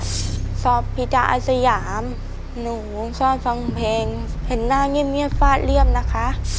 สอบพิจารณ์อาศยามหนูชอบฟังเพลงเห็นนางเงียบเงียบฟาดเรียบนะคะ